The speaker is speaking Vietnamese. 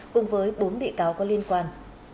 cùng với bốn bị cáo có liên quan